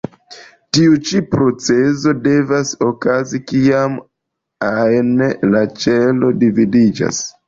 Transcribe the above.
Tiu ĉi procezo devas okazi kiam ajn la ĉelo dividiĝas.